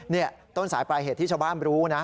นี่ต้นสายปลายเหตุที่ชาวบ้านรู้นะ